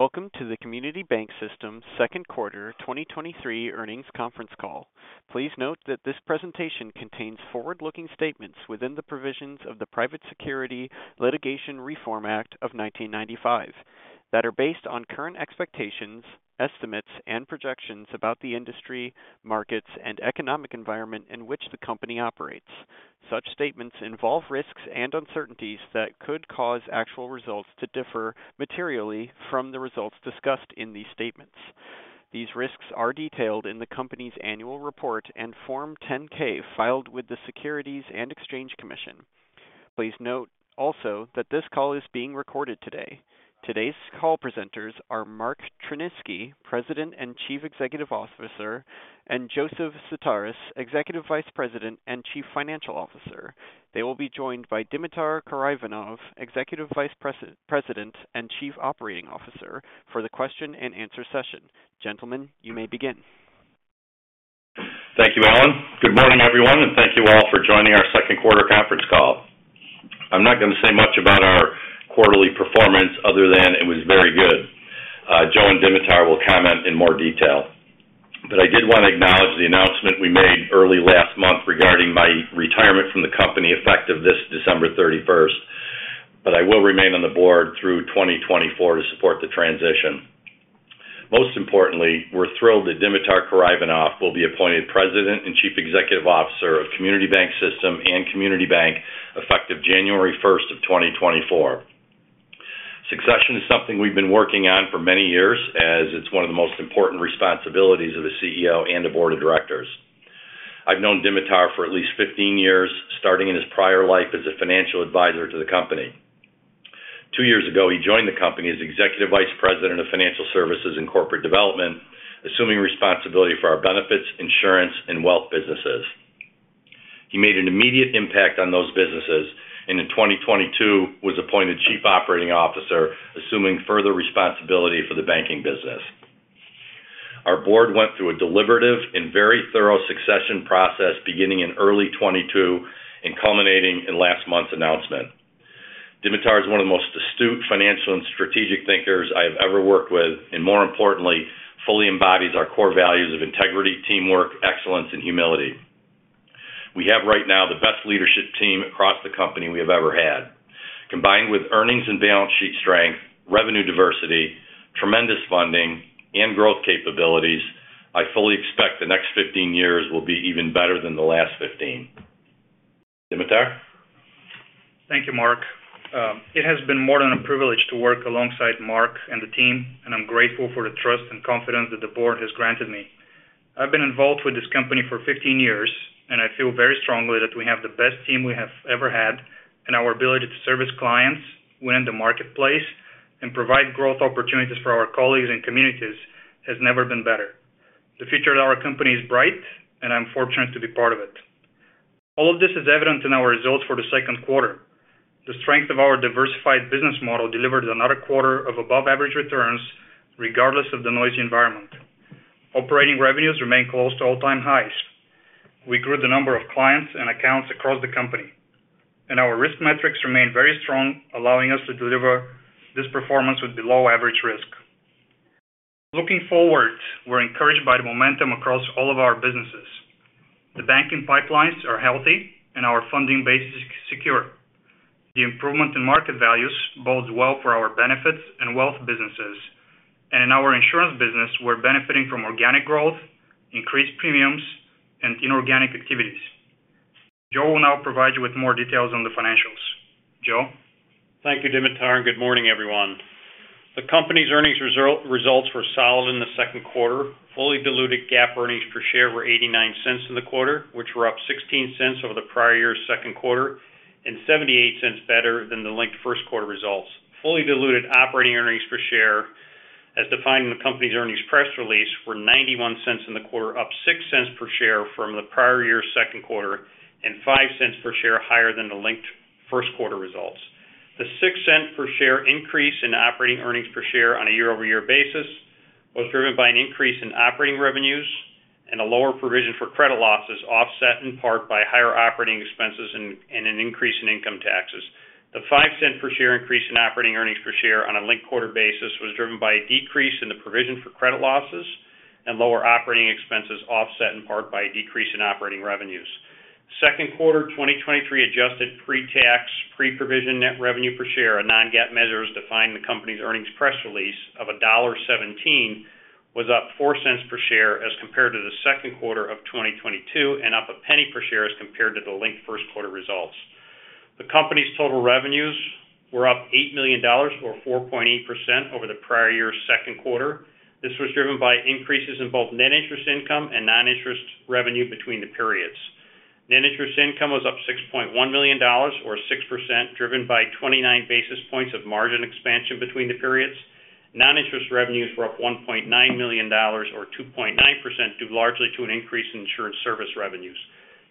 Welcome to the Community Bank System's second quarter 2023 earnings conference call. Please note that this presentation contains forward-looking statements within the provisions of the Private Securities Litigation Reform Act of 1995, that are based on current expectations, estimates, and projections about the industry, markets, and economic environment in which the company operates. Such statements involve risks and uncertainties that could cause actual results to differ materially from the results discussed in these statements. These risks are detailed in the company's annual report and Form 10-K filed with the Securities and Exchange Commission. Please note also that this call is being recorded today. Today's call presenters are Mark Tryniski, President and Chief Executive Officer, and Joseph Sutaris, Executive Vice President and Chief Financial Officer. They will be joined by Dimitar Karaivanov, Executive Vice President and Chief Operating Officer, for the question and answer session. Gentlemen, you may begin. Thank you, Alan. Good morning, everyone, and thank you all for joining our second quarter conference call. I'm not going to say much about our quarterly performance other than it was very good. Joe and Dimitar will comment in more detail. I did want to acknowledge the announcement we made early last month regarding my retirement from the company, effective this December 31st. I will remain on the board through 2024 to support the transition. Most importantly, we're thrilled that Dimitar Karaivanov will be appointed President and Chief Executive Officer of Community Bank System and Community Bank, effective January 1st, 2024. Succession is something we've been working on for many years, as it's one of the most important responsibilities of a CEO and a board of directors. I've known Dimitar for at least 15 years, starting in his prior life as a financial advisor to the company. Two years ago, he joined the company as Executive Vice President of Financial Services and Corporate Development, assuming responsibility for our benefits, insurance, and wealth businesses. He made an immediate impact on those businesses, and in 2022, was appointed Chief Operating Officer, assuming further responsibility for the banking business. Our board went through a deliberative and very thorough succession process beginning in early 2022 and culminating in last month's announcement. Dimitar is one of the most astute financial and strategic thinkers I have ever worked with, and more importantly, fully embodies our core values of integrity, teamwork, excellence, and humility. We have right now the best leadership team across the company we have ever had. Combined with earnings and balance sheet strength, revenue diversity, tremendous funding, and growth capabilities, I fully expect the next 15 years will be even better than the last 15. Dimitar? Thank you, Mark. It has been more than a privilege to work alongside Mark and the team. I'm grateful for the trust and confidence that the board has granted me. I've been involved with this company for 15 years, I feel very strongly that we have the best team we have ever had, our ability to service clients, win the marketplace, and provide growth opportunities for our colleagues and communities has never been better. The future of our company is bright, I'm fortunate to be part of it. All of this is evident in our results for the second quarter. The strength of our diversified business model delivered another quarter of above-average returns, regardless of the noisy environment. Operating revenues remain close to all-time highs. We grew the number of clients and accounts across the company, and our risk metrics remain very strong, allowing us to deliver this performance with below-average risk. Looking forward, we're encouraged by the momentum across all of our businesses. The banking pipelines are healthy and our funding base is secure. The improvement in market values bodes well for our benefits and wealth businesses. In our insurance business, we're benefiting from organic growth, increased premiums, and inorganic activities. Joe will now provide you with more details on the financials. Joe? Thank you, Dimitar. Good morning, everyone. The company's earnings results were solid in the second quarter. Fully diluted GAAP earnings per share were $0.89 in the quarter, which were up $0.16 over the prior year's second quarter and $0.78 better than the linked first quarter results. Fully diluted operating earnings per share, as defined in the company's earnings press release, were $0.91 in the quarter, up $0.06 per share from the prior year's second quarter and $0.05 per share higher than the linked first quarter results. The $0.06 per share increase in operating earnings per share on a year-over-year basis was driven by an increase in operating revenues and a lower provision for credit losses, offset in part by higher operating expenses and an increase in income taxes. The $0.05 per share increase in operating earnings per share on a linked quarter basis was driven by a decrease in the provision for credit losses and lower operating expenses, offset in part by a decrease in operating revenues. Second quarter 2023 adjusted Pre-Tax, Pre-Provision Net Revenue per share, a non-GAAP measure, as defined in the company's earnings press release, of $1.17 was up $0.04 per share as compared to the second quarter of 2022, and up $0.01 per share as compared to the linked first quarter results. The company's total revenues were up $8 million or 4.8% over the prior year's second quarter. This was driven by increases in both Net Interest Income and non-interest revenue between the periods. Net Interest Income was up $6.1 million or 6%, driven by 29 basis points of margin expansion between the periods. Non-interest revenues were up $1.9 million or 2.9%, due largely to an increase in insurance service revenues.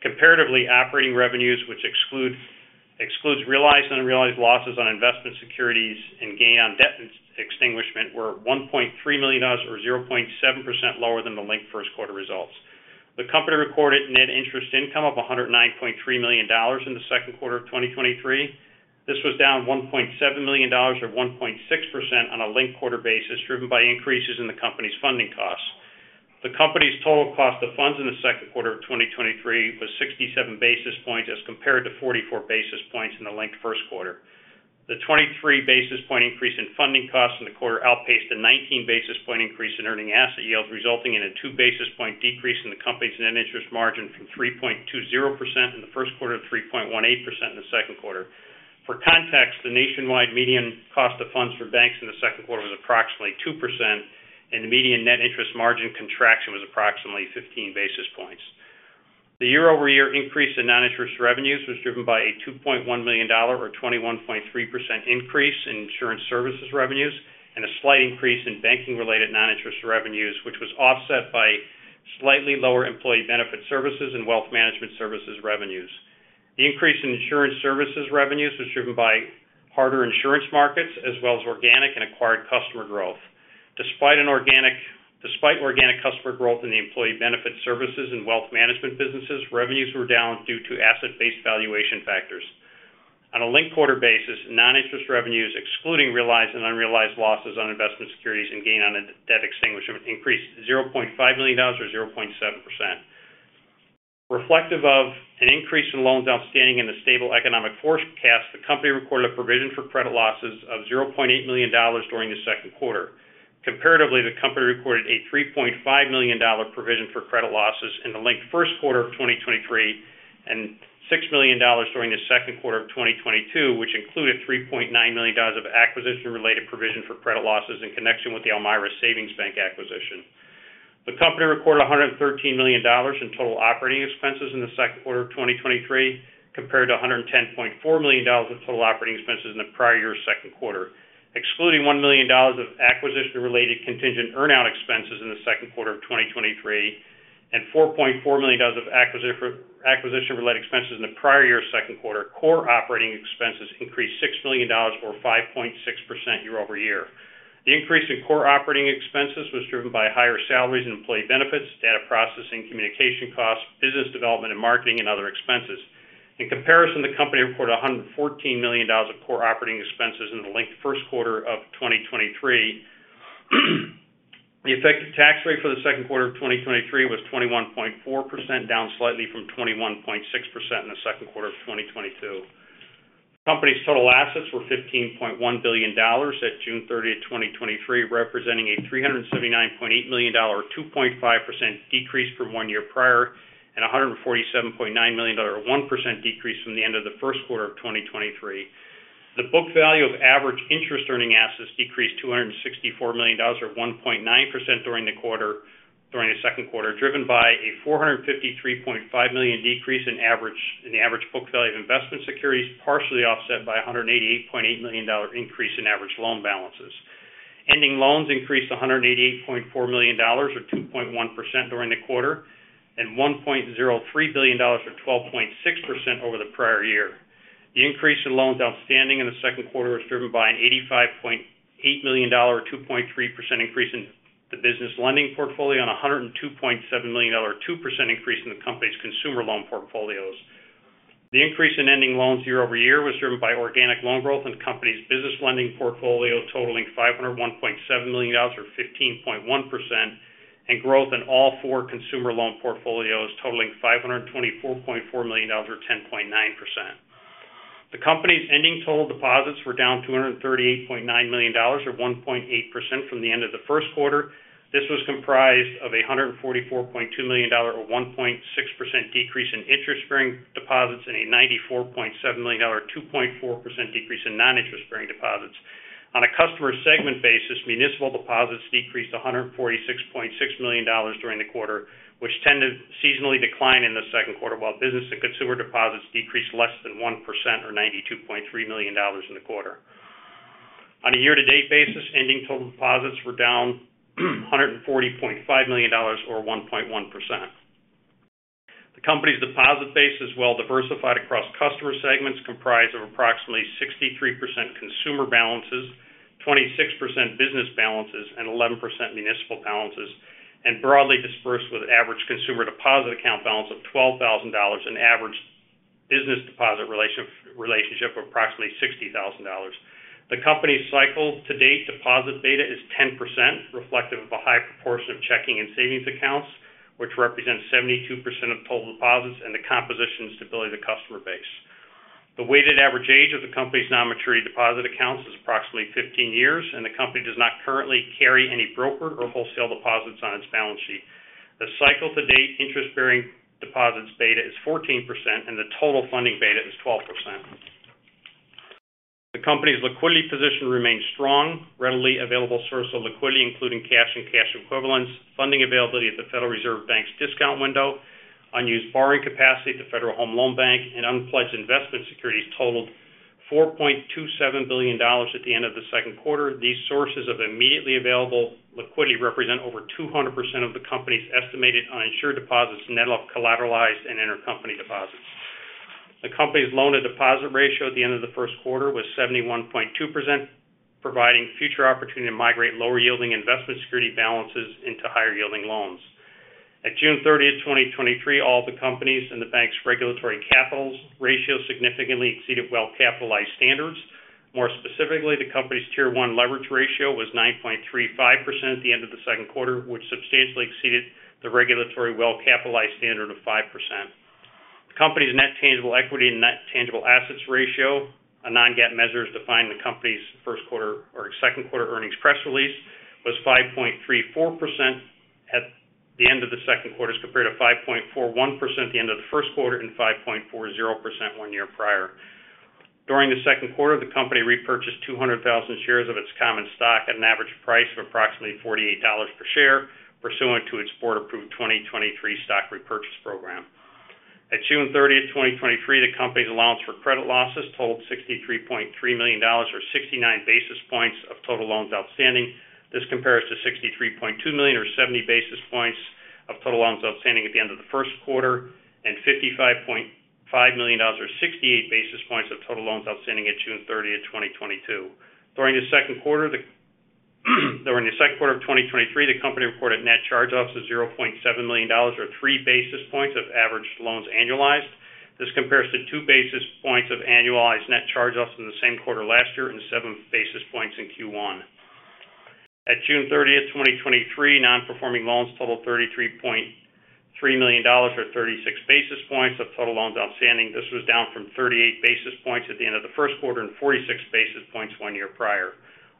Comparatively, operating revenues, which excludes realized and unrealized losses on investment securities and gain on debt extinguishment, were $1.3 million or 0.7% lower than the linked first quarter results. The company recorded Net Interest Income of $109.3 million in the second quarter of 2023. This was down $1.7 million or 1.6% on a linked quarter basis, driven by increases in the company's funding costs. The company's total Cost of Funds in the second quarter of 2023 was 67 basis points as compared to 44 basis points in the linked first quarter. The 23 basis point increase in funding costs in the quarter outpaced a 19 basis point increase in earning asset yields, resulting in a 2 basis point decrease in the company's Net Interest Margin from 3.20% in the first quarter to 3.18% in the second quarter. For context, the nationwide median Cost of Funds for banks in the second quarter was approximately 2%, and the median Net Interest Margin contraction was approximately 15 basis points. The year-over-year increase in non-interest revenues was driven by a $2.1 million or 21.3% increase in insurance services revenues, and a slight increase in banking-related non-interest revenues, which was offset by slightly lower employee benefit services and wealth management services revenues. The increase in insurance services revenues was driven by harder insurance markets, as well as organic and acquired customer growth. Despite organic customer growth in the employee benefit services and wealth management businesses, revenues were down due to asset-based valuation factors. On a linked quarter basis, non-interest revenues, excluding realized and unrealized losses on investment securities and gain on a debt extinguishment, increased $0.5 million or 0.7%. Reflective of an increase in loans outstanding in the stable economic forecast, the company recorded a provision for credit losses of $0.8 million during the second quarter. Comparatively, the company recorded a $3.5 million provision for credit losses in the linked first quarter of 2023, and $6 million during the second quarter of 2022, which included $3.9 million of acquisition-related provision for credit losses in connection with the Elmira Savings Bank acquisition. The company recorded $113 million in total operating expenses in the second quarter of 2023, compared to $110.4 million in total operating expenses in the prior year's second quarter. Excluding $1 million of acquisition-related contingent earn-out expenses in the second quarter of 2023, and $4.4 million of acquisition-related expenses in the prior year's second quarter, core operating expenses increased $6 million or 5.6% year-over-year. The increase in core operating expenses was driven by higher salaries and employee benefits, data processing, communication costs, business development and marketing, and other expenses. In comparison, the company reported $114 million of core operating expenses in the linked first quarter of 2023. The effective tax rate for the second quarter of 2023 was 21.4%, down slightly from 21.6% in the second quarter of 2022. The company's total assets were $15.1 billion at June 30, 2023, representing a $379.8 million, or 2.5% decrease from one year prior, and a $147.9 million, or 1% decrease from the end of the first quarter of 2023. The book value of average interest-earning assets decreased $264 million, or 1.9% during the second quarter, driven by a $453.5 million decrease in the average book value of investment securities, partially offset by a $188.8 million increase in average loan balances. Ending loans increased $188.4 million, or 2.1% during the quarter, and $1.03 billion, or 12.6% over the prior year. The increase in loans outstanding in the second quarter was driven by an $85.8 million, or 2.3% increase in the business lending portfolio, and a $102.7 million, or 2% increase in the company's consumer loan portfolios. The increase in ending loans year-over-year was driven by organic loan growth in the company's business lending portfolio, totaling $501.7 million or 15.1%, and growth in all four consumer loan portfolios, totaling $524.4 million or 10.9%. The company's ending total deposits were down $238.9 million, or 1.8% from the end of the first quarter. This was comprised of a $144.2 million, or 1.6% decrease in interest-bearing deposits, and a $94.7 million, or 2.4% decrease in non-interest-bearing deposits. On a customer segment basis, municipal deposits decreased $146.6 million during the quarter, which tend to seasonally decline in the second quarter, while business and consumer deposits decreased less than 1% or $92.3 million in the quarter. On a year-to-date basis, ending total deposits were down $140.5 million, or 1.1%. The company's deposit base is well diversified across customer segments, comprised of approximately 63% consumer balances, 26% business balances, and 11% municipal balances, and broadly dispersed with average consumer deposit account balance of $12,000, and average business deposit relationship of approximately $60,000. The company's cycle to date Deposit Beta is 10%, reflective of a high proportion of checking and savings accounts, which represents 72% of total deposits and the composition and stability of the customer base. The weighted average age of the company's non-maturity deposit accounts is approximately 15 years, and the company does not currently carry any brokered or wholesale deposits on its balance sheet. The cycle to date Interest-Bearing Deposits Beta is 14%, and the total funding beta is 12%. The company's liquidity position remains strong. Readily available sources of liquidity, including cash and cash equivalents, funding availability at the Federal Reserve Bank's discount window, unused borrowing capacity at the Federal Home Loan Bank, and unpledged investment securities totaled $4.27 billion at the end of the second quarter. These sources of immediately available liquidity represent over 200% of the company's estimated uninsured deposits, net of collateralized and intercompany deposits. The company's loan-to-deposit ratio at the end of the first quarter was 71.2%, providing future opportunity to migrate lower-yielding investment security balances into higher-yielding loans. At June 30, 2023, all the company’s in the bank regulatory capital ratios significantly exceeded well-capitalized standards. More specifically, the company's Tier 1 leverage ratio was 9.35% at the end of the second quarter, which substantially exceeded the regulatory well-capitalized standard of 5%. The company's net tangible equity and net tangible assets ratio, a non-GAAP measure, as defined the company's first quarter or second quarter earnings press release, was 5.34% at the end of the second quarter, as compared to 5.41% at the end of the first quarter and 5.40% one year prior. During the second quarter, the company repurchased 200,000 shares of its common stock at an average price of approximately $48 per share, pursuant to its board-approved 2023 stock repurchase program. At June 30, 2023, the company's allowance for credit losses totaled $63.3 million, or 69 basis points of total loans outstanding. This compares to $63.2 million or 70 basis points of total loans outstanding at the end of the first quarter, and $55.5 million, or 68 basis points of total loans outstanding at June 30, 2022. During the second quarter of 2023, the company reported net charge-offs of $0.7 million, or 3 basis points of averaged loans, annualized. This compares to 2 basis points of annualized net charge-offs in the same quarter last year and 7 basis points in Q1. At June 30, 2023, non-performing loans totaled $33.3 million, or 36 basis points of total loans outstanding. This was down from 38 basis points at the end of the first quarter and 46 basis points one year prior.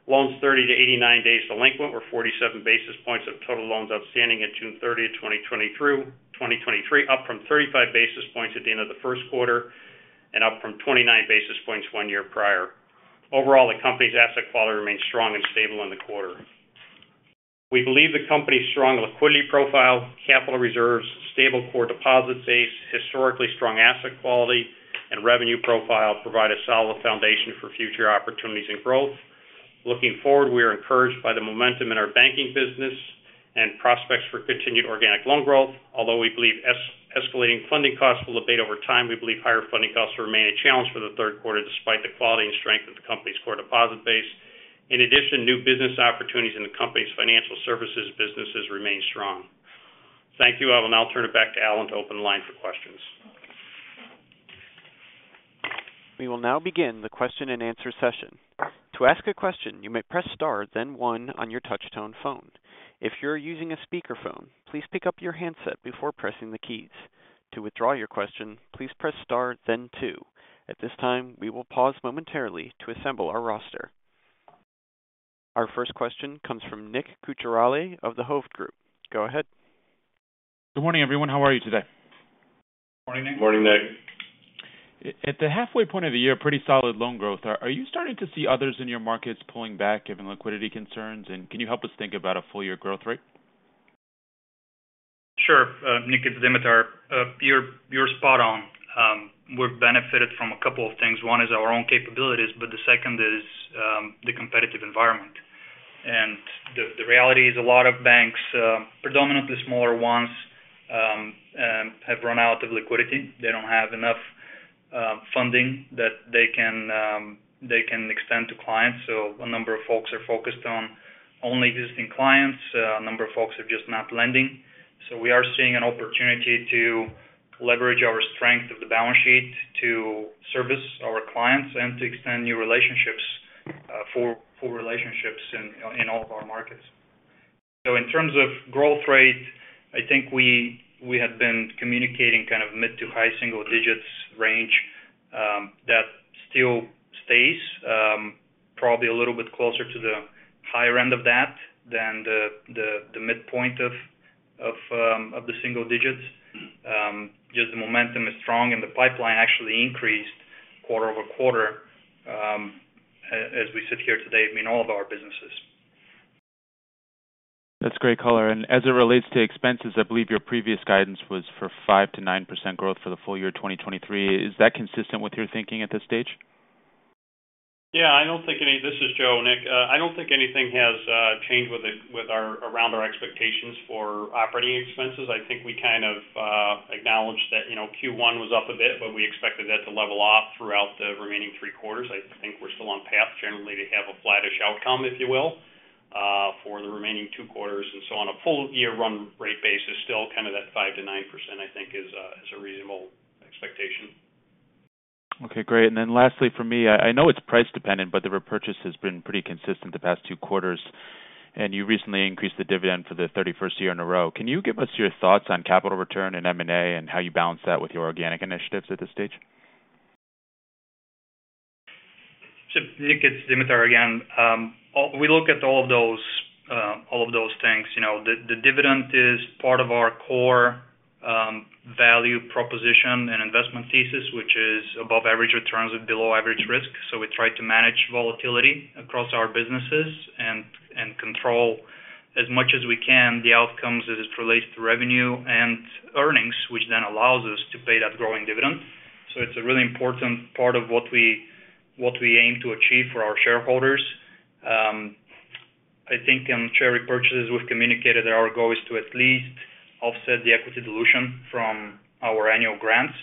Loans 30-89 days delinquent were 47 basis points of total loans outstanding at June 30, 2023, up from 35 basis points at the end of the first quarter and up from 29 basis points one year prior. Overall, the company's asset quality remains strong and stable in the quarter. We believe the company's strong liquidity profile, capital reserves, stable core deposit base, historically strong asset quality, and revenue profile provide a solid foundation for future opportunities and growth. Looking forward, we are encouraged by the momentum in our banking business and prospects for continued organic loan growth. Although we believe escalating funding costs will abate over time, we believe higher funding costs remain a challenge for the third quarter, despite the quality and strength of the company's core deposit base. In addition, new business opportunities in the company's financial services businesses remain strong. Thank you. I will now turn it back to Alan to open the line for questions. We will now begin the question-and-answer session. To ask a question, you may press star, then one on your touchtone phone. If you're using a speakerphone, please pick up your handset before pressing the keys. To withdraw your question, please press star then two. At this time, we will pause momentarily to assemble our roster. Our first question comes from Nick Cucharale of the Hovde Group. Go ahead. Good morning, everyone. How are you today? Morning, Nick. Morning, Nick. At the halfway point of the year, pretty solid loan growth. Are you starting to see others in your markets pulling back, given liquidity concerns? Can you help us think about a full year growth rate? Sure. Nick, it's Dimitar. You're, you're spot on. We've benefited from two things. One is our own capabilities, but the 2nd is the competitive environment. The, the reality is a lot of banks, predominantly smaller ones, have run out of liquidity. They don't have enough funding that they can, they can extend to clients. A number of folks are focused on only existing clients. A number of folks are just not lending. We are seeing an opportunity to leverage our strength of the balance sheet to service our clients and to extend new relationships, for, for relationships in, in all of our markets. In terms of growth rate, I think we, we have been communicating kind of mid to high single digits range. That still stays, probably a little bit closer to the higher end of that than the, the, the midpoint of, of, of the single digits. Just the momentum is strong and the pipeline actually increased quarter-over-quarter, as, as we sit here today in all of our businesses. That's great color. As it relates to expenses, I believe your previous guidance was for 5%-9% growth for the full year 2023. Is that consistent with your thinking at this stage? Yeah, I don't think any. This is Joe, Nick. I don't think anything has changed with it, around our expectations for operating expenses. I think we kind of acknowledged that, you know, Q1 was up a bit, but we expected that to level off throughout the remaining 3 quarters. I think we're still on path generally to have a flattish outcome, if you will, for the remaining 2 quarters. So on a full year run rate basis, still kind of that 5%-9%, I think is a reasonable expectation. Okay, great. Then lastly, for me, I, I know it's price dependent, but the repurchase has been pretty consistent the past two quarters, and you recently increased the dividend for the 31st year in a row. Can you give us your thoughts on capital return and M&A and how you balance that with your organic initiatives at this stage? Nick, it's Dimitar again. all-- we look at all of those, all of those things. You know, the, the dividend is part of our core, value proposition and investment thesis, which is above average returns of below average risk. We try to manage volatility across our businesses and, and control, as much as we can, the outcomes as it relates to revenue and earnings, which then allows us to pay that growing dividend. It's a really important part of what we, what we aim to achieve for our shareholders. I think on share repurchases, we've communicated that our goal is to at least offset the equity dilution from our annual grants.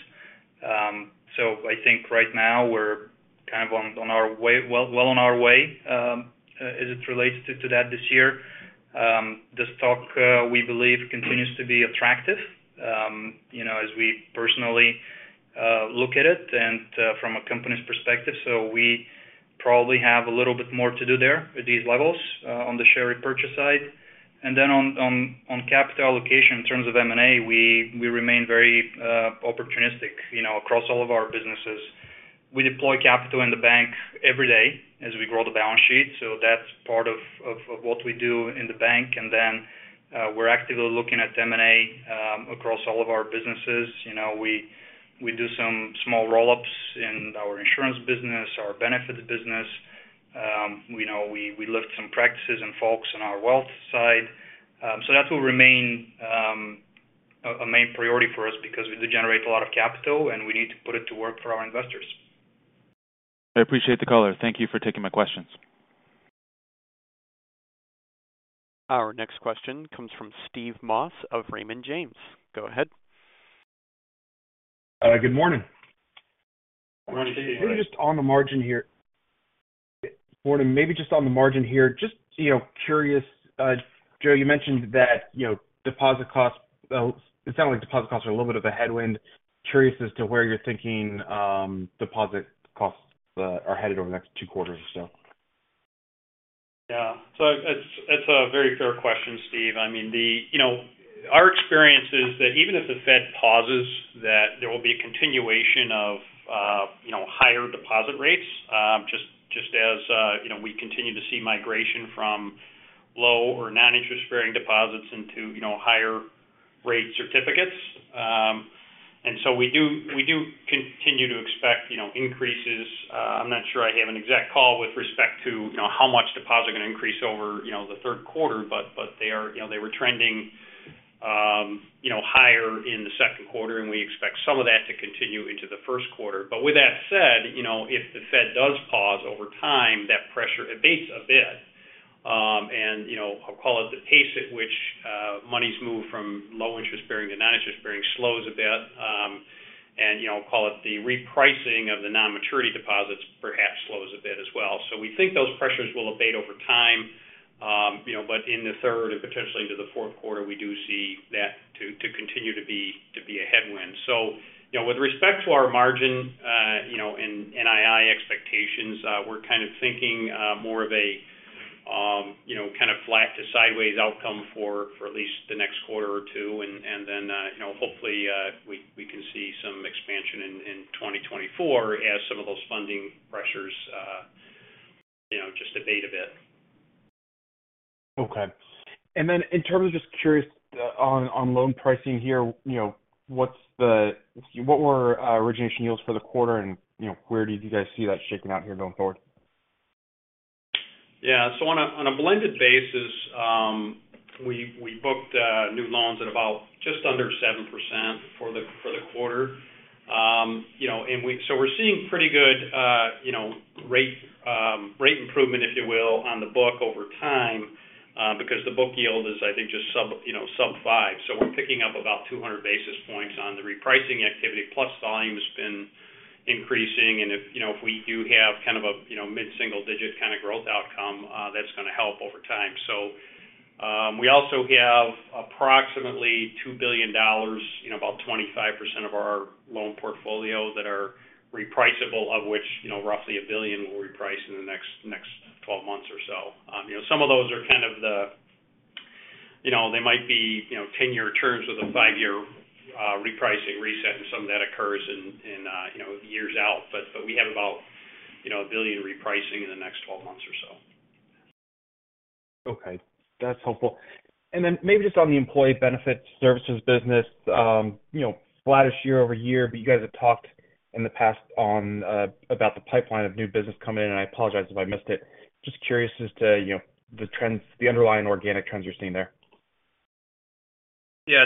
I think right now we're kind of on, on our way-- well, well on our way, as it relates to, to that this year. The stock, we believe continues to be attractive, you know, as we personally look at it and from a company's perspective. We probably have a little bit more to do there at these levels on the share repurchase side. On, on, on capital allocation, in terms of M&A, we, we remain very opportunistic, you know, across all of our businesses. We deploy capital in the bank every day as we grow the balance sheet, so that's part of, of, of what we do in the bank. We're actively looking at M&A across all of our businesses. You know, we, we do some small roll-ups in our insurance business, our benefits business. You know, we, we lift some practices and folks on our wealth side. That will remain a main priority for us because we do generate a lot of capital, and we need to put it to work for our investors. I appreciate the color. Thank you for taking my questions. Our next question comes from Steve Moss of Raymond James. Go ahead. Good morning. Good morning to you. Maybe just on the margin here. Morning. Maybe just on the margin here, just, you know, curious, Joe, you mentioned that, you know, deposit costs, it sound like deposit costs are a little bit of a headwind. Curious as to where you're thinking, deposit costs, are headed over the next 2 quarters or so? Yeah. It's, it's a very fair question, Steve. I mean, you know, our experience is that even if the Fed pauses, that there will be a continuation of, you know, higher deposit rates, just, just as, you know, we continue to see migration from low or non-interest-bearing deposits into, you know, higher rate certificates. We do, we do continue to expect, you know, increases. I'm not sure I have an exact call with respect to, you know, how much deposits are going to increase over, you know, the third quarter, but they are. You know, they were trending, you know, higher in the second quarter, and we expect some of that to continue into the first quarter. With that said, you know, if the Fed does pause over time, that pressure abates a bit. You know, I'll call it the pace at which monies move from low interest bearing to non-interest bearing slows a bit. You know, call it the repricing of the non-maturity deposits perhaps slows a bit as well. We think those pressures will abate over time. You know, but in the third and potentially into the fourth quarter, we do see that to continue to be a headwind. You know, with respect to our margin, you know, and NII expectations, we're kind of thinking more of a, you know, kind of flat to sideways outcome for, for at least the next quarter or two. Then, you know, hopefully, we, we can see some expansion in 2024 as some of those funding pressures, you know, just abate a bit. Okay. Then in terms of just curious on, on loan pricing here, you know, what were, origination yields for the quarter? You know, where do you guys see that shaking out here going forward? Yeah. On a, on a blended basis, we, we booked new loans at about just under 7% for the, for the quarter. You know, we're seeing pretty good, you know, rate, rate improvement, if you will, on the book over time, because the book yield is, I think, just sub, you know, sub 5. We're picking up about 200 basis points on the repricing activity, plus volume has been increasing. If, you know, if we do have kind of a, you know, mid-single digit kind of growth outcome, that's going to help over time. We also have approximately $2 billion, you know, about 25% of our loan portfolio that are repriceable, of which, you know, roughly $1 billion will reprice in the next, next 12 months or so. you know, some of those are kind of the, you know, they might be, you know, 10-year terms with a five-year, repricing reset, and some of that occurs in, in, you know, years out. But we have about, you know, $1 billion repricing in the next 12 months or so. Okay, that's helpful. Then maybe just on the employee benefits services business, you know, flattish year-over-year, but you guys have talked in the past on about the pipeline of new business coming in. I apologize if I missed it. Just curious as to, you know, the trends, the underlying organic trends you're seeing there. Yeah.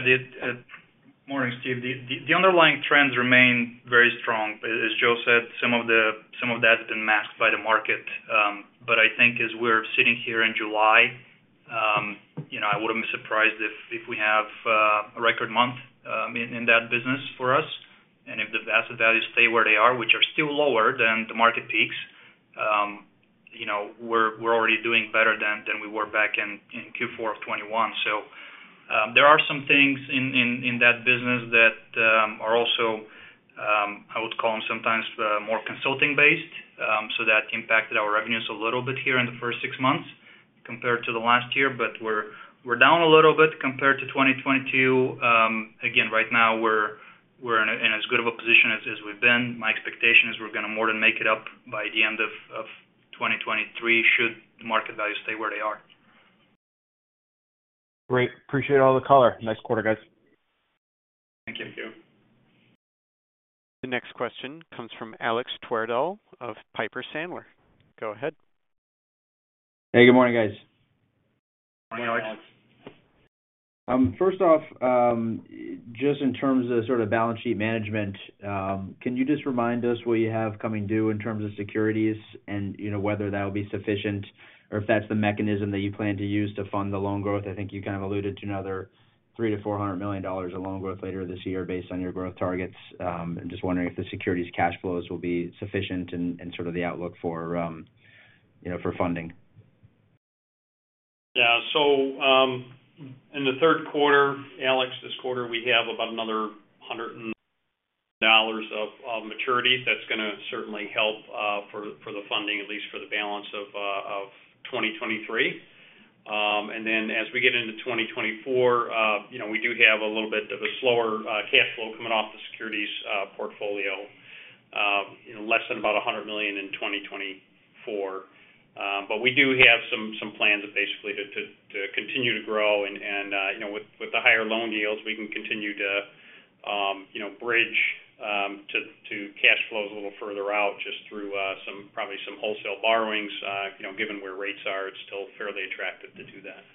Morning, Steve. The underlying trends remain very strong. As Joe said, some of that's been masked by the market. I think as we're sitting here in July, you know, I wouldn't be surprised if, if we have a record month in, in that business for us. If the asset values stay where they are, which are still lower than the market peaks, you know, we're, we're already doing better than, than we were back in, in Q4 of 2021. There are some things in, in, in that business that are also, I would call them sometimes, more consulting based. That impacted our revenues a little bit here in the first 6 months compared to last year. We're down a little bit compared to 2022. Again, right now we're in as good of a position as we've been. My expectation is we're going to more than make it up by the end of 2023, should the market value stay where they are. Great. Appreciate all the color. Nice quarter, guys. Thank you. Thank you. The next question comes from Alex Twerdahl of Piper Sandler. Go ahead. Hey, good morning, guys. Morning, Alex. First off, just in terms of sort of balance sheet management, can you just remind us what you have coming due in terms of securities and, you know, whether that will be sufficient or if that's the mechanism that you plan to use to fund the loan growth? I think you kind of alluded to another $300 million-$400 million of loan growth later this year based on your growth targets. I'm just wondering if the securities cash flows will be sufficient and, and sort of the outlook for, you know, for funding. Yeah. In the third quarter, Alex, this quarter, we have about another $100 million of maturity. That's going to certainly help for, for the funding, at least for the balance of 2023. As we get into 2024, you know, we do have a little bit of a slower cash flow coming off the securities portfolio, you know, less than about $100 million in 2024. We do have some, some plans basically to, to, to continue to grow. With, with the higher loan yields, we can continue to, you know, bridge to, to cash flows a little further out, just through probably some wholesale borrowings. You know, given where rates are, it's still fairly attractive to do that.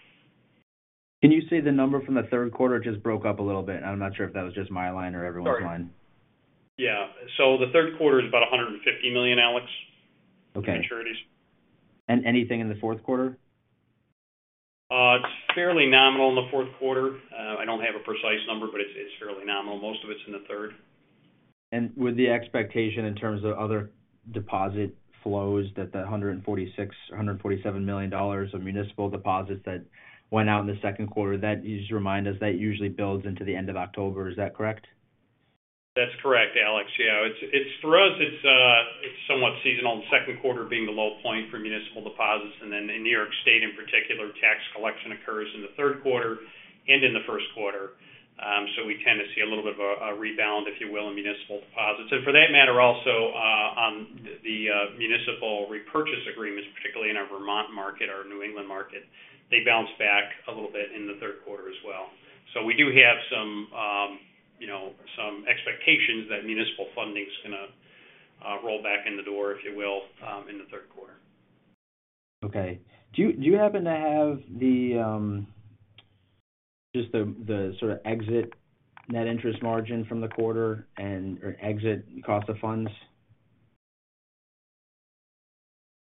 Can you say the number from the third quarter? It just broke up a little bit, and I'm not sure if that was just my line or everyone's line. Sorry. Yeah. The third quarter is about $150 million, Alex- Okay. maturities. Anything in the fourth quarter? It's fairly nominal in the fourth quarter. I don't have a precise number, but it's, it's fairly nominal. Most of it's in the third. Would the expectation in terms of other deposit flows, that the $146 million-$147 million of municipal deposits that went out in the second quarter, can you just remind us, that usually builds into the end of October? Is that correct? That's correct, Alex. Yeah, for us, it's somewhat seasonal, the second quarter being the low point for municipal deposits. Then in New York State, in particular, tax collection occurs in the third quarter and in the first quarter. We tend to see a little bit of a, a rebound, if you will, in municipal deposits. For that matter, also, on the municipal repurchase agreements, particularly in our Vermont market, our New England market, they bounce back a little bit in the third quarter as well. We do have some, you know, some expectations that municipal funding is going to roll back in the door, if you will, in the third quarter. Okay. Do you, do you happen to have the, just the, the sort of exit Net Interest Margin from the quarter and/or exit Cost of Funds?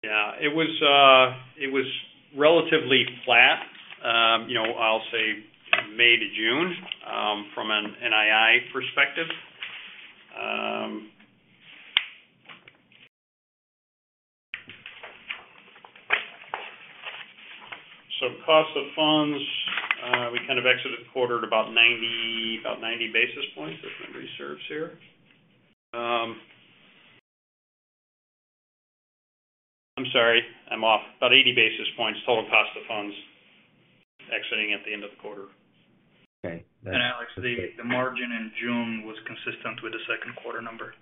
Yeah. It was, it was relatively flat, you know, I'll say May to June, from an NII perspective. Cost of funds, we kind of exited the quarter at about 90, about 90 basis points, if memory serves here. I'm sorry, I'm off. About 80 basis points, total cost of funds exiting at the end of the quarter. Okay. Alex, the, the margin in June was consistent with the second quarter number.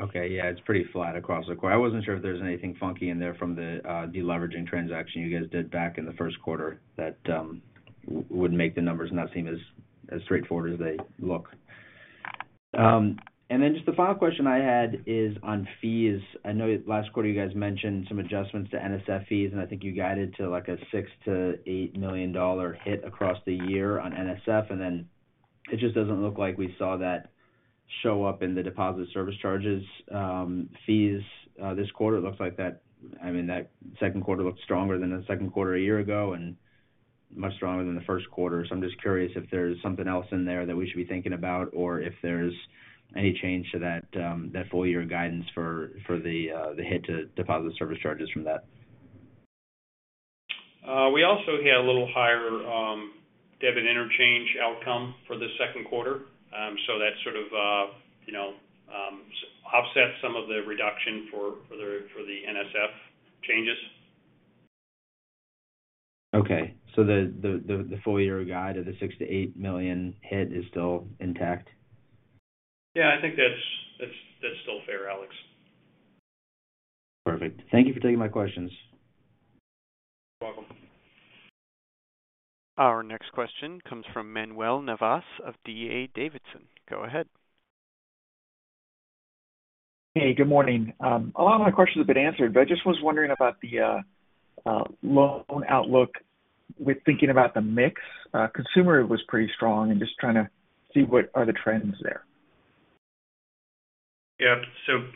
Okay. Yeah, it's pretty flat across the quarter. I wasn't sure if there was anything funky in there from the deleveraging transaction you guys did back in the first quarter that would make the numbers not seem as, as straightforward as they look. Then just the final question I had is on fees. I know last quarter you guys mentioned some adjustments to NSF fees, I think you guided to, like, a $6 million-$8 million hit across the year on NSF. Then it just doesn't look like we saw that show up in the deposit service charges fees this quarter. It looks like that, I mean, that second quarter looked stronger than the second quarter a year ago, and much stronger than the first quarter. I'm just curious if there's something else in there that we should be thinking about, or if there's any change to that, that full year guidance for, for the hit to deposit service charges from that. We also had a little higher, debit interchange outcome for the second quarter. That sort of, you know, offsets some of the reduction for, for the, for the NSF changes. Okay. the full-year guide of the $6 million-$8 million hit is still intact? Yeah, I think that's, that's, that's still fair, Alex. Perfect. Thank you for taking my questions. You're welcome. Our next question comes from Manuel Navas of D.A. Davidson. Go ahead. Hey, good morning. A lot of my questions have been answered. I just was wondering about the loan outlook with thinking about the mix. Consumer was pretty strong and just trying to see what are the trends there. Yeah.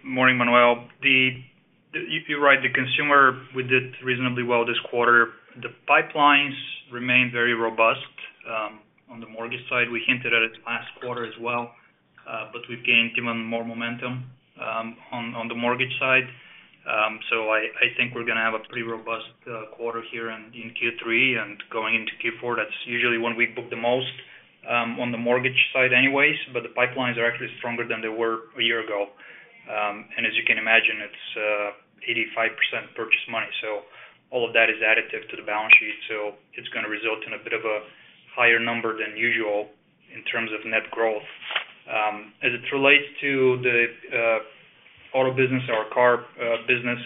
Morning, Manuel. You're right, the consumer, we did reasonably well this quarter. The pipelines remain very robust. On the mortgage side, we hinted at it last quarter as well, we've gained even more momentum on, on the mortgage side. I, I think we're going to have a pretty robust quarter here and in Q3 and going into Q4. That's usually when we book the most on the mortgage side anyways, the pipelines are actually stronger than they were a year ago. As you can imagine, it's 85% purchase money, so all of that is additive to the balance sheet. It's going to result in a bit of a higher number than usual in terms of net growth. As it relates to the auto business or car business,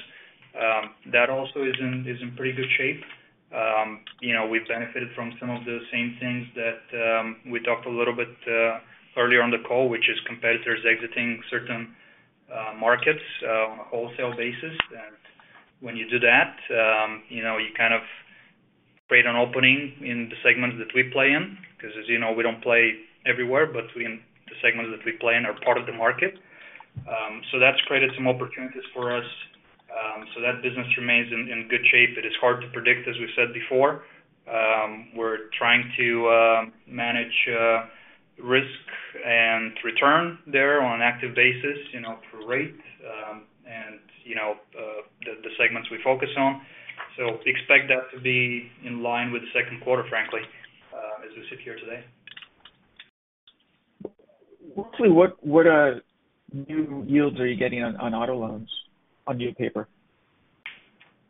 that also is in, is in pretty good shape. You know, we've benefited from some of the same things that we talked a little bit earlier on the call, which is competitors exiting certain markets on a wholesale basis, when you do that, you know, you kind of create an opening in the segments that we play in, because as you know, we don't play everywhere, but in the segments that we play in are part of the market. That's created some opportunities for us. That business remains in, in good shape. It is hard to predict, as we've said before. We're trying to manage risk and return there on an active basis, you know, for rate, and, you know, the, the segments we focus on. We expect that to be in line with the second quarter, frankly, as we sit here today. Mostly, what, what, new yields are you getting on, on auto loans, on new paper?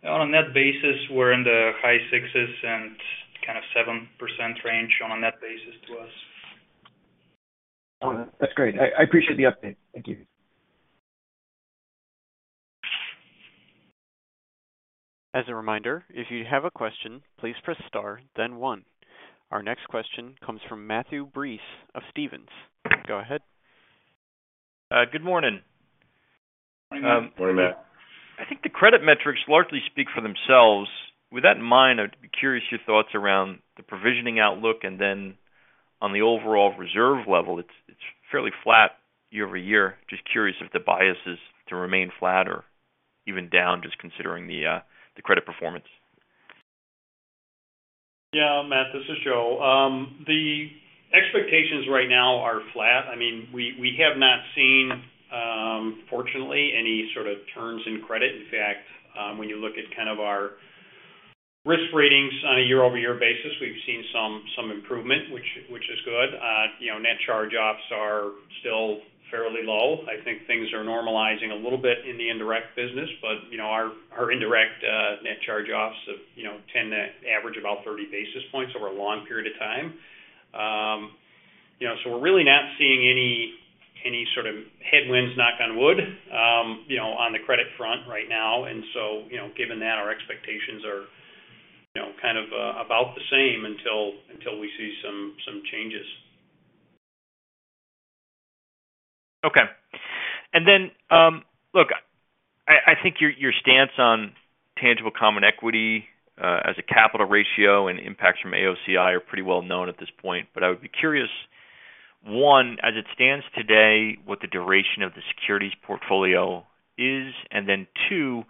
On a net basis, we're in the high 6s and kind of 7% range on a net basis to us. That's great. I, I appreciate the update. Thank you. As a reminder, if you have a question, please press Star, then One. Our next question comes from Matthew Breese of Stephens. Go ahead. Good morning. Good morning, Matt. I think the credit metrics largely speak for themselves. With that in mind, I'd be curious your thoughts around the provisioning outlook, and on the overall reserve level, it's fairly flat year-over-year. Just curious if the bias is to remain flat or even down, just considering the credit performance. Yeah, Matt, this is Joe. The expectations right now are flat. I mean, we, we have not seen, fortunately, any sort of turns in credit. In fact, when you look at kind of our risk ratings on a year-over-year basis, we've seen some, some improvement, which, which is good. You know, net charge-offs are still fairly low. I think things are normalizing a little bit in the indirect business, but, you know, our, our indirect, net charge-offs of, you know, tend to average about 30 basis points over a long period of time. You know, so we're really not seeing any, any sort of headwinds, knock on wood, you know, on the credit front right now. So, you know, given that, our expectations are, you know, kind of, about the same until, until we see some, some changes. Okay. Look, I, I think your, your stance on tangible common equity as a capital ratio and impacts from AOCI are pretty well known at this point. I would be curious, one, as it stands today, what the duration of the securities portfolio is? Two,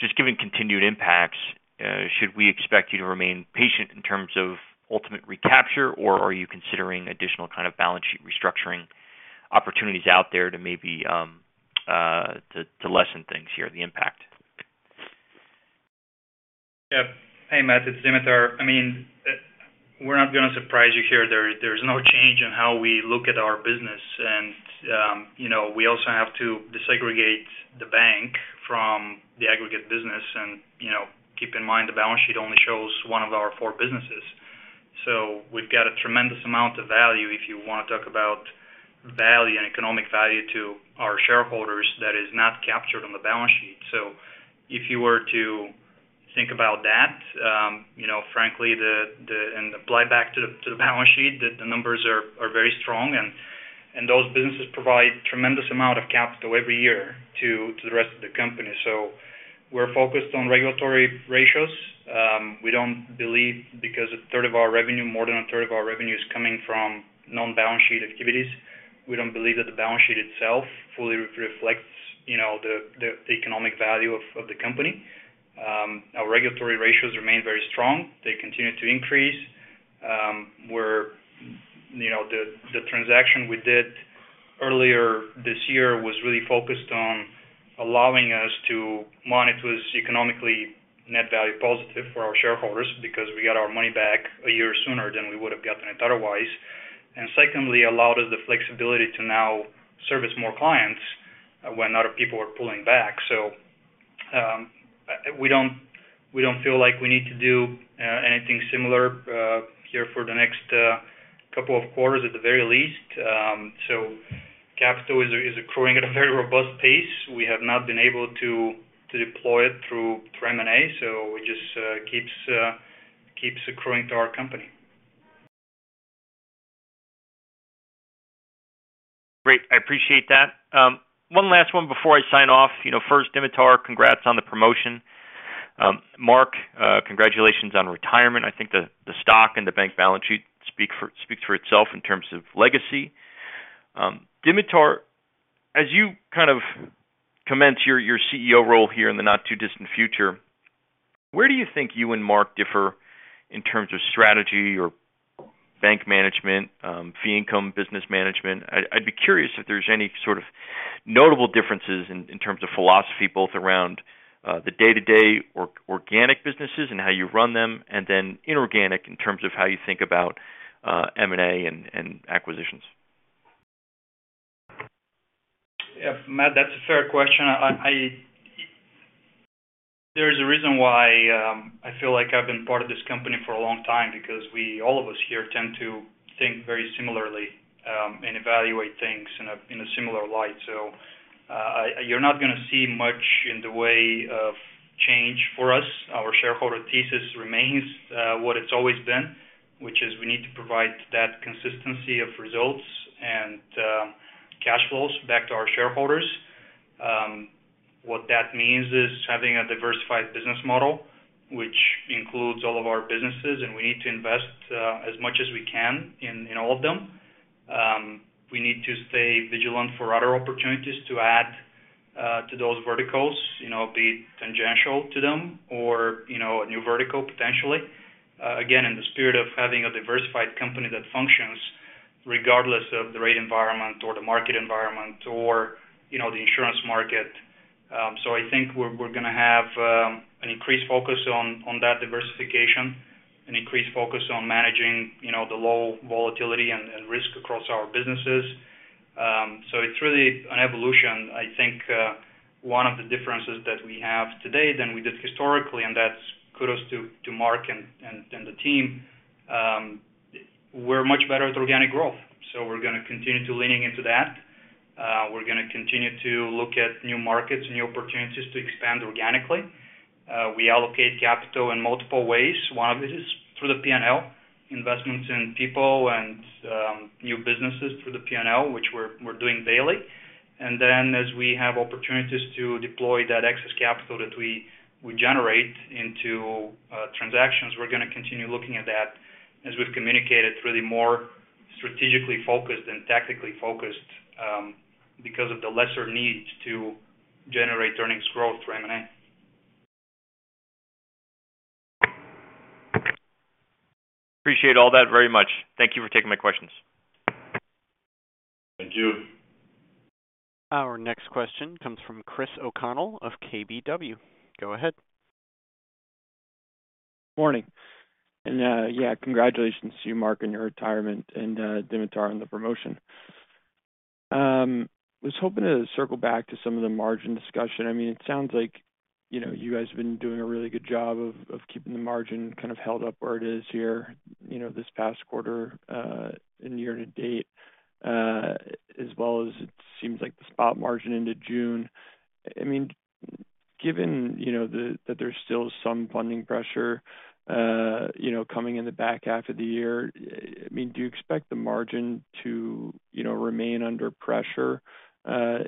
just given continued impacts, should we expect you to remain patient in terms of ultimate recapture, or are you considering additional kind of balance sheet restructuring opportunities out there to maybe to, to lessen things here, the impact? Yeah. Hey, Matt, it's Dimitar. I mean, we're not going to surprise you here. There, there's no change in how we look at our business. You know, we also have to desegregate the bank from the aggregate business. You know, keep in mind, the balance sheet only shows one of our four businesses. We've got a tremendous amount of value if you want to talk about value and economic value to our shareholders, that is not captured on the balance sheet. If you were to think about that, you know, frankly, and apply back to the, to the balance sheet, the, the numbers are, are very strong, and, and those businesses provide tremendous amount of capital every year to, to the rest of the company. We're focused on regulatory ratios. We don't believe because one-third of our revenue, more than one-third of our revenue is coming from non-balance sheet activities, we don't believe that the balance sheet itself fully reflects, you know, the, the, the economic value of, of the company. Our regulatory ratios remain very strong. They continue to increase. We're, you know, the, the transaction we did earlier this year was really focused on allowing us to monitor economically net value positive for our shareholders because we got our money back one year sooner than we would have gotten it otherwise. Secondly, allowed us the flexibility to now service more clients when other people are pulling back. We don't, we don't feel like we need to do anything similar here for the next 2 quarters at the very least. Capital is, is accruing at a very robust pace. We have not been able to, to deploy it through, through M&A, so it just keeps accruing to our company. Great. I appreciate that. One last one before I sign off. You know, first, Dimitar, congrats on the promotion. Mark, congratulations on retirement. I think the stock and the bank balance sheet speaks for itself in terms of legacy. Dimitar, as you kind of commence your CEO role here in the not too distant future, where do you think you and Mark differ in terms of strategy or bank management, fee income, business management? I'd be curious if there's any sort of notable differences in terms of philosophy, both around the day-to-day organic businesses and how you run them, and then inorganic in terms of how you think about M&A and acquisitions. Yeah, Matt, that's a fair question. I there is a reason why I feel like I've been part of this company for a long time, because we all of us here tend to think very similarly, and evaluate things in a, in a similar light. You're not going to see much in the way of change for us shareholder thesis remains what it's always been, which is we need to provide that consistency of results and cash flows back to our shareholders. What that means is having a diversified business model, which includes all of our businesses. We need to invest as much as we can in all of them. We need to stay vigilant for other opportunities to add to those verticals, you know, be tangential to them or, you know, a new vertical potentially. Again, in the spirit of having a diversified company that functions regardless of the rate environment or the market environment or, you know, the insurance market. I think we're going to have an increased focus on that diversification, an increased focus on managing, you know, the low volatility and risk across our businesses. It's really an evolution. I think, one of the differences that we have today than we did historically, and that's kudos to, to Mark and, and, and the team. We're much better at organic growth, we're going to continue to leaning into that. We're going to continue to look at new markets and new opportunities to expand organically. We allocate capital in multiple ways. One of it is through the P&L, investments in people and, new businesses through the P&L, which we're, we're doing daily. As we have opportunities to deploy that excess capital that we, we generate into, transactions, we're going to continue looking at that. As we've communicated, it's really more strategically focused and tactically focused, because of the lesser need to generate earnings growth through M&A. Appreciate all that very much. Thank you for taking my questions. Thank you. Our next question comes from Chris O'Connell of KBW. Go ahead. Morning. Yeah, congratulations to you, Mark, on your retirement, and Dimitar, on the promotion. I was hoping to circle back to some of the margin discussion. I mean, it sounds like, you know, you guys have been doing a really good job of, of keeping the margin kind of held up where it is here, you know, this past quarter, in year to date, as well as it seems like the spot margin into June. I mean, given, you know, that there's still some funding pressure, you know, coming in the back half of the year, I- I mean, do you expect the margin to, you know, remain under pressure,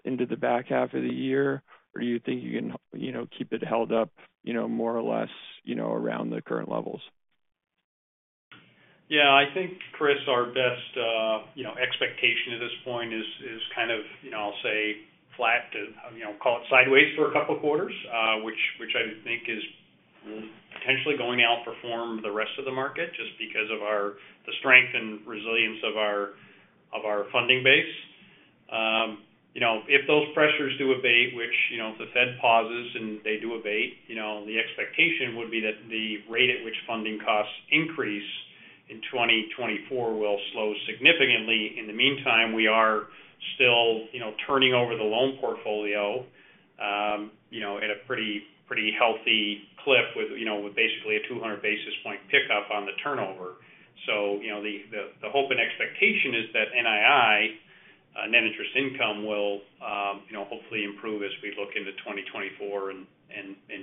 into the back half of the year? Or do you think you can, you know, keep it held up, you know, more or less, you know, around the current levels? Yeah, I think, Chris, our best, you know, expectation at this point is, is kind of, you know, I'll say flat to, you know, call it sideways for 2 quarters, which, which I think is potentially going to outperform the rest of the market just because of the strength and resilience of our, of our funding base. You know, if those pressures do abate, which, you know, if the Fed pauses and they do abate, you know, the expectation would be that the rate at which funding costs increase in 2024 will slow significantly. In the meantime, we are still, you know, turning over the loan portfolio, you know, at a pretty, pretty healthy clip with, you know, with basically a 200 basis point pickup on the turnover. You know, the hope and expectation is that NII, Net Interest Income, will, you know, hopefully improve as we look into 2024 and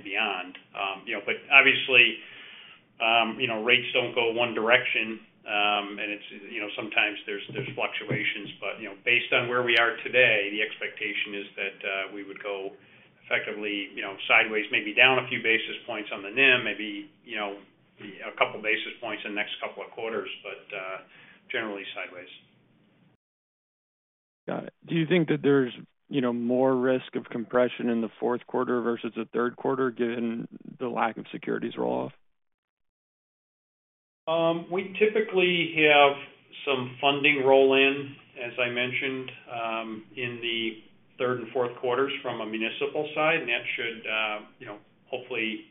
beyond. You know, obviously, you know, rates don't go one direction, and it's, you know, sometimes there's fluctuations. You know, based on where we are today, the expectation is that we would go effectively, you know, sideways, maybe down a few basis points on the NIM, maybe, you know, a couple of basis points in the next couple of quarters, generally sideways. Got it. Do you think that there's, you know, more risk of compression in the fourth quarter versus the third quarter, given the lack of securities roll-off? We typically have some funding roll in, as I mentioned, in the third and fourth quarters from a municipal side, and that should, you know, hopefully,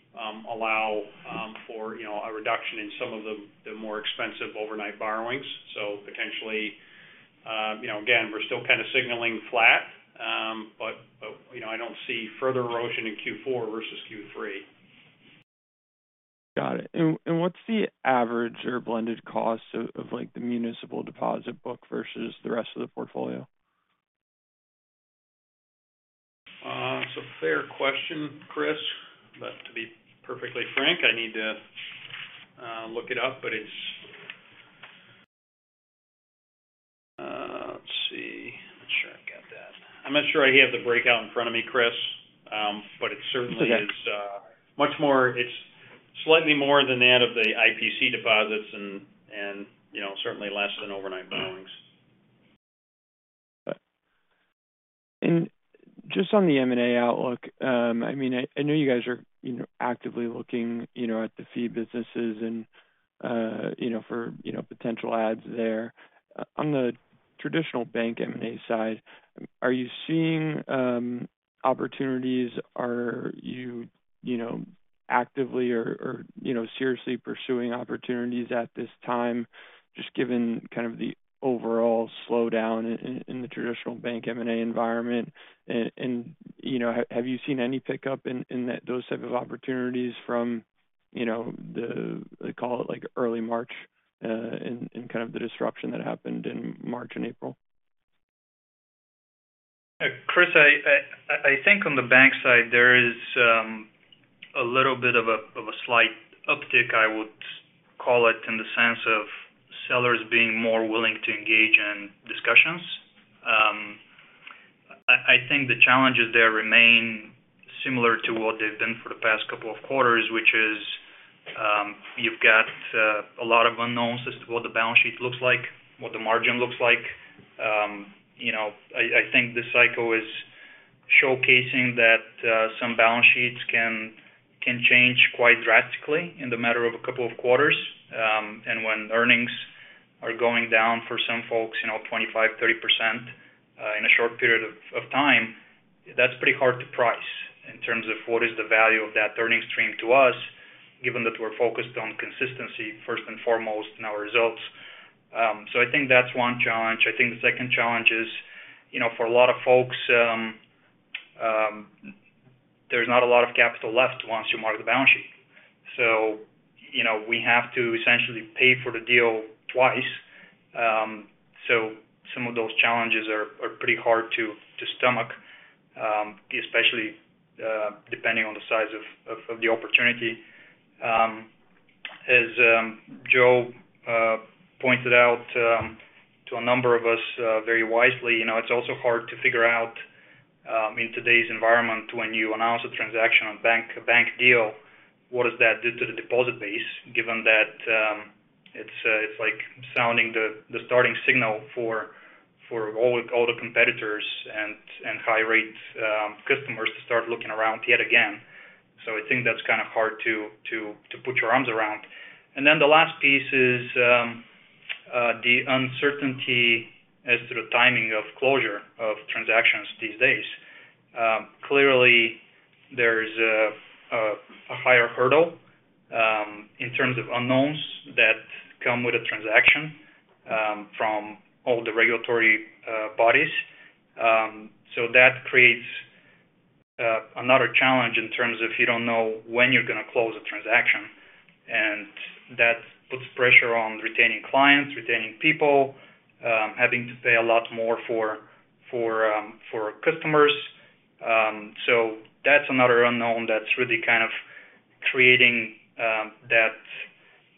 allow for, you know, a reduction in some of the, the more expensive overnight borrowings. Potentially, you know, again, we're still kind of signaling flat, but, but, you know, I don't see further erosion in Q4 versus Q3. Got it. What's the average or blended cost of like the municipal deposit book versus the rest of the portfolio? It's a fair question, Chris, but to be perfectly frank, I need to look it up, but it's. Let's see. I'm not sure I've got that. I'm not sure I have the breakout in front of me, Chris, but it certainly is much more-- it's slightly more than that of the IPC Deposits and, and, you know, certainly less than overnight borrowings. Got it. Just on the M&A outlook, I mean, I, I know you guys are, you know, actively looking, you know, at the fee businesses and, you know, for, you know, potential ads there. On the traditional bank M&A side, are you seeing opportunities? Are you, you know, actively or, or, you know, seriously pursuing opportunities at this time, just given kind of the overall slowdown in the traditional bank M&A environment? You know, have you seen any pickup in those type of opportunities from, you know, the, they call it, like, early March, and kind of the disruption that happened in March and April? Chris, I, I, I think on the bank side, there is a little bit of a, of a slight uptick, I would call it, in the sense of sellers being more willing to engage in discussions. I, I think the challenges there remain similar to what they've been for the past couple of quarters, which is, you've got a lot of unknowns as to what the balance sheet looks like, what the margin looks like. You know, I, I think this cycle is showcasing that some balance sheets can, can change quite drastically in the matter of a couple of quarters. When earnings are going down for some folks, you know, 25%-30%, in a short period of time, that's pretty hard to price in terms of what is the value of that earnings stream to us, given that we're focused on consistency first and foremost in our results. I think that's one challenge. I think the second challenge is, you know, for a lot of folks, there's not a lot of capital left once you mark the balance sheet. You know, we have to essentially pay for the deal twice. Some of those challenges are pretty hard to stomach, especially depending on the size of the opportunity. As Joe pointed out to a number of us, very wisely, you know, it's also hard to figure out in today's environment, when you announce a transaction on bank, a bank deal, what does that do to the deposit base, given that it's like sounding the starting signal for all the competitors and high rates customers to start looking around yet again. I think that's kind of hard to put your arms around. Then the last piece is the uncertainty as to the timing of closure of transactions these days. Clearly, there's a higher hurdle in terms of unknowns that come with a transaction from all the regulatory bodies. That creates another challenge in terms of you don't know when you're going to close a transaction, and that puts pressure on retaining clients, retaining people, having to pay a lot more for, for, for customers. That's another unknown that's really kind of creating that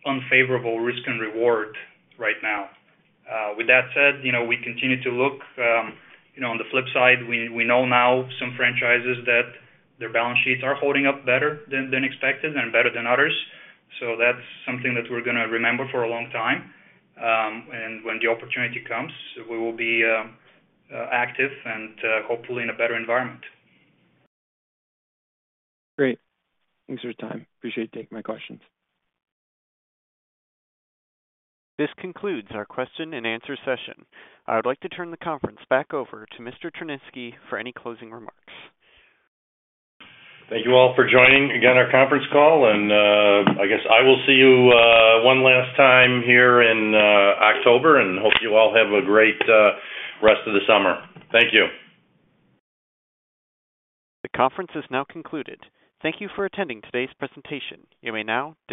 unfavorable risk and reward right now. With that said, you know, we continue to look, you know, on the flip side, we, we know now some franchises that their balance sheets are holding up better than, than expected and better than others. That's something that we're going to remember for a long time. When the opportunity comes, we will be active and hopefully in a better environment. Great. Thanks for your time. Appreciate you taking my questions. This concludes our question and answer session. I would like to turn the conference back over to Mr. Tryniski for any closing remarks. Thank you all for joining again, our conference call, and I guess I will see you 1 last time here in October, and hope you all have a great rest of the summer. Thank you. The conference is now concluded. Thank you for attending today's presentation. You may now disconnect.